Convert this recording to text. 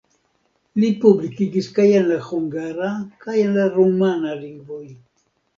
Li publikigis kaj en la hungara kaj en la rumana lingvoj.